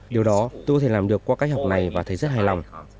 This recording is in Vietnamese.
điều đó tôi có thể làm được qua cách học này và thấy rất hài lòng